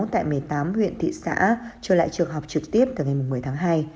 tại một mươi tám huyện thị xã trở lại trường học trực tiếp từ ngày một mươi tháng hai